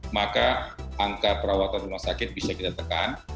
maka angka perawatan rumah sakit bisa kita tekan